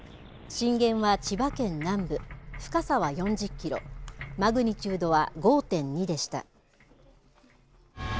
震源は千葉県南部深さは４０キロマグニチュードは５．２でした。